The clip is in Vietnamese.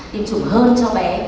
tiêm chủng hơn cho bé